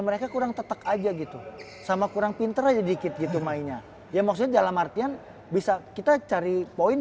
mereka kurang tetek aja gitu sama kurang pinter aja dikit gitu mainnya ya maksudnya dalam artian